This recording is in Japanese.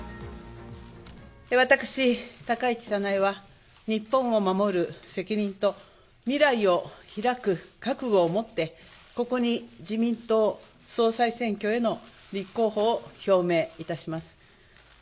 私、高市早苗は、日本を守る責任と、未来を拓く覚悟を持って、ここに自民党総裁選挙への立候補を表明いたします。